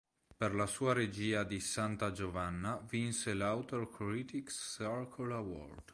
Per la sua regia di "Santa Giovanna" vinse l'Outer Critics Circle Award.